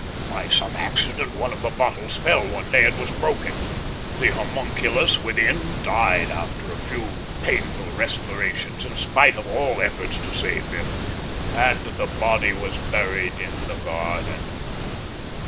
By some accident one of the bottles fell one day and was broken. The homunculus within died after a few painful respirations in spite of all efforts to save him, and the body was buried in the garden.